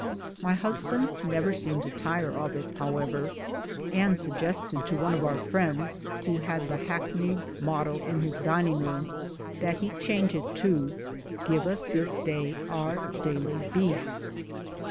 My husband never seemed to tire of it, how ever, and suggested to one of our friends who had the hackneyed motto in his dining room, that she change it to " Give us this day our daily beef."